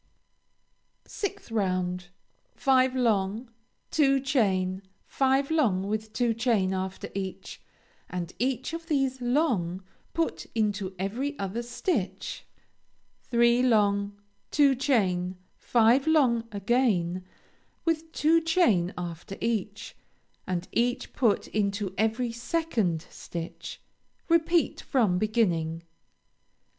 6th round Five long, two chain, five long with two chain after each, and each of these long put into every other stitch, three long, two chain, five long again with two chain after each, and each put into every second stitch; repeat from beginning.